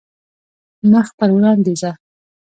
مخ پر وړاندې ځه .